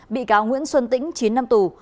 bị cáo nguyễn xuân tĩnh chín năm tù